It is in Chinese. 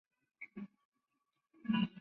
东吴骑都尉虞翻之孙。